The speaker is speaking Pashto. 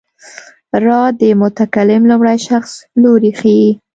را د متکلم لومړی شخص لوری ښيي.